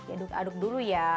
aduk aduk dulu ya